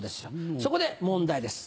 そこで問題です。